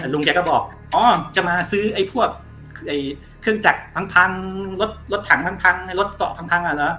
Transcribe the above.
ลุงแกก็บอกอ๋อจะมาซื้อไอ้พวกเครื่องจักรทั้งพังรถถังทั้งพังไอ้รถเกาะพังอ่ะเหรอ